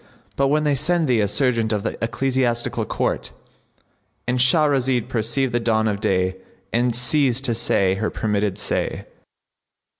But when they send thee a serjeant of the Ecclesiastical Court,"—And Shahrazad perceived the dawn of day and ceased to say her permitted say.